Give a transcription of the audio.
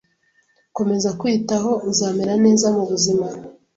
Komeza kwiyitaho uzamera neza mubuzima